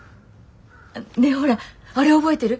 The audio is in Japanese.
ねぇほらあれ覚えてる？